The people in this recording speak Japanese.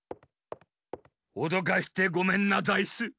おどかしてごめんなザイス。